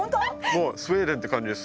もうスウェーデンって感じです。